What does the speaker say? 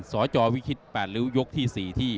สวจอบวิคิต๘หรือยกที่๔ที่